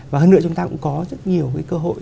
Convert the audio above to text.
và hơn nữa chúng ta cũng có rất nhiều cái cơ hội